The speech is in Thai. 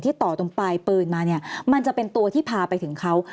ต่อตรงปลายปืนมาเนี่ยมันจะเป็นตัวที่พาไปถึงเขา